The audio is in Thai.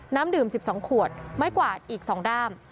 น้ำดื่ม๑๒ขวดไม้กวาดอีก๒ด้าม